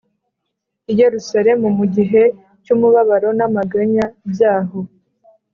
I Yerusalemu mu gihe cy’umubabaro n’amaganya byaho,